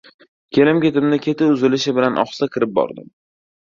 Kelim-ketimni keti uzilishi bilan ohista kirib bordim.